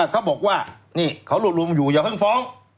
เขาบอกว่านี่เขารวบรวมอยู่อย่าเพิ่งฟ้อง